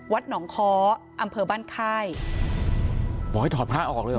หนองค้ออำเภอบ้านค่ายบอกให้ถอดพระออกเลยเห